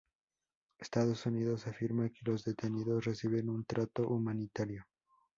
Estados Unidos afirma que los detenidos reciben un "trato humanitario".